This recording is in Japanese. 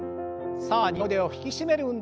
さあ二の腕を引き締める運動